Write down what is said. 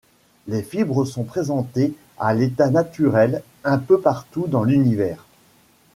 Les fibres sont présentées à l'état naturel un peu partout dans l'univers.